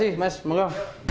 terima kasih semoga